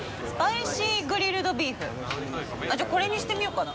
これにしてみようかな。